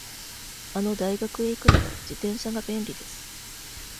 あの大学へ行くなら、自転車が便利です。